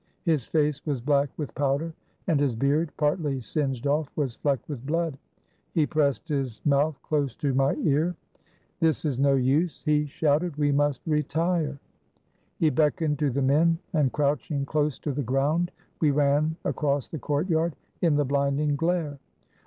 His face was black with powder, and his beard, partly singed off, was flecked with blood. He pressed his mouth close to my ear. "This is no use," he shouted. "We must retire." He beckoned to the men, and crouching close to the ground, we ran across the courtyard, in the blinding glare.